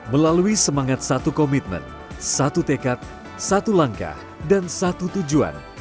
melalui semangat satu komitmen satu tekad satu langkah dan satu tujuan